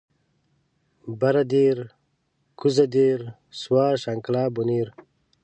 بره دير کوزه دير سوات شانګله بونير